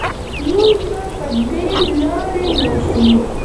مونږ به په دې لارې لاړ شو